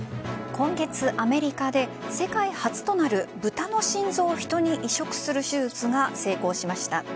今月、アメリカで世界初となるブタの心臓をヒトに移植する手術が成功しました。